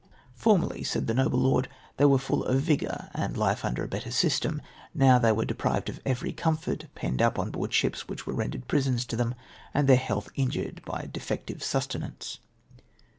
Formerly, said the noble lord, they were full of vigour and life under a better system ; now they were de prived of every comfort, penned up on board of ships which were rendered prisons to them, and their health injured by defective sustenance.